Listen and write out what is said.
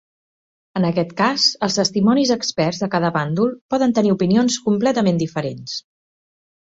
En aquest cas, els testimonis experts de cada bàndol poden tenir opinions completament diferents.